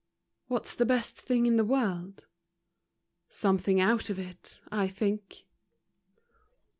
What's the best thing in the world ?— Something out of it, I think.